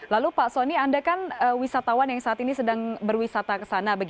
lalu pak soni anda kan wisatawan yang saat ini sedang berwisata ke sana